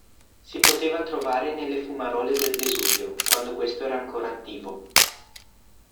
Si poteva trovare nelle fumarole del Vesuvio, quando questo era ancora attivo.